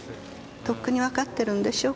とっくにわかってるんでしょ？